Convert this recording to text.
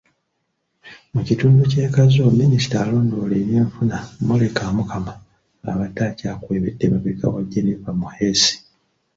Mu kitundu ky'e Kazo Minisita alondoola ebyenfuna Molly Kamukama, abadde akyakwebedde emabega wa Jennifer Muheesi.